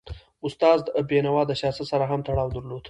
استاد بینوا د سیاست سره هم تړاو درلود.